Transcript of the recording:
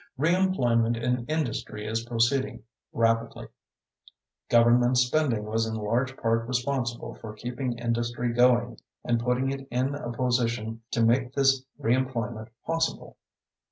Reemployment in industry is proceeding rapidly. Government spending was in large part responsible for keeping industry going and putting it in a position to make this reemployment possible.